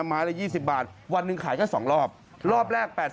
ไม้ละ๒๐บาทวันหนึ่งขายก็๒รอบ